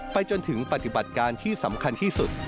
จนถึงปฏิบัติการที่สำคัญที่สุด